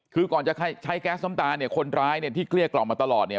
คือก่อนจะใช้แก๊สน้ำตาลเนี่ยคนร้ายเนี่ยที่เกลี้ยกล่อมมาตลอดเนี่ย